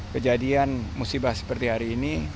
kejadian musibah seperti hari ini